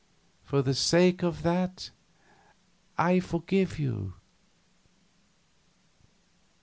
For the sake of that, I forgive you."